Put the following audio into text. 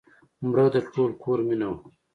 مړه د ټول کور مینه وه